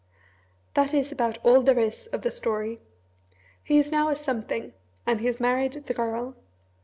That is about all there is of the story. He is now a Something and he has married the Girl.